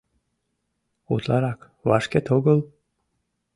Утларак вашкет огыл?